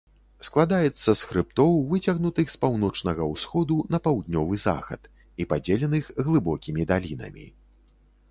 Складаецца з хрыбтоў, выцягнутых з паўночнага ўсходу на паўднёвы захад і падзеленых глыбокімі далінамі.